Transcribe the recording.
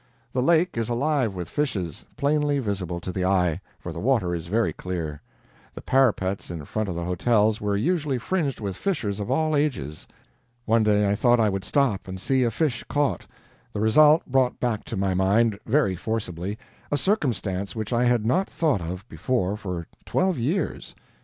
The lake is alive with fishes, plainly visible to the eye, for the water is very clear. The parapets in front of the hotels were usually fringed with fishers of all ages. One day I thought I would stop and see a fish caught. The result brought back to my mind, very forcibly, a circumstance which I had not thought of before for twelve years.